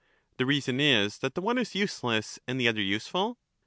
The reason is that the one is useless and the other Eryxias. Useful?